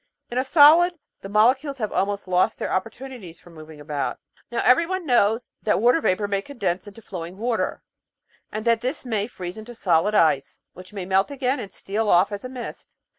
In a solid the molecules have almost lost their opportunities for moving about. Now everyone knows that water vapour may condense into flowing water, and that this may freeze into solid ice, which may melt again and steal off as mist.